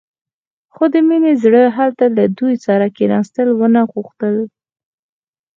خو د مينې زړه هلته له دوی سره کښېناستل ونه غوښتل.